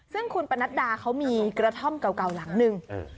ซึ่งคุณปนัดดาเขามีกระท่อมเก่าหลังนึง